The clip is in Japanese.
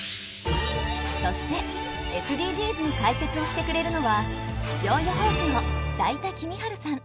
そしてＳＤＧｓに解説をしてくれるのは気象予報士の斉田季実治さん。